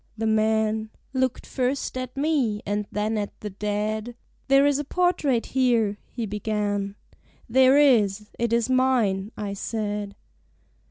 ... The man Looked first at me, and then at the dead. "There is a portrait here," he began; "There is. It is mine," I said.